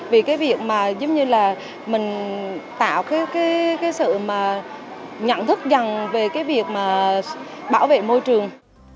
vì cái việc mà giống như là mình tạo cái sự mà nhận thức rằng về cái việc mà bảo vệ môi trường